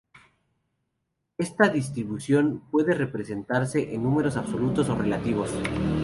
Esta distribución puede representarse en números absolutos o relativos.